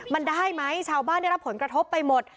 มันได้ไหมชาวบ้านได้รับผลกระทบไปหมด